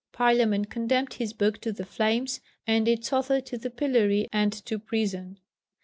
Parliament condemned his book to the flames, and its author to the pillory and to prison.